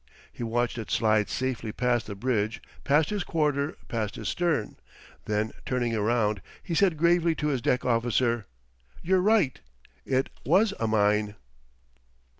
He watched it slide safely past the bridge, past his quarter, past his stern. Then, turning around, he said gravely to his deck officer: "You're right it was a mine."